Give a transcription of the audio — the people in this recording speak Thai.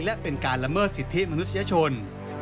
และเป็นการละเมิดสิทธิมนุษยชน